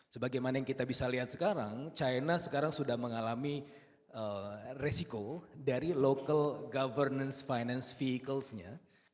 sebagaimana yang kita bisa lihat sekarang china sekarang sudah mengalami resiko dari local governance finance vehicles nya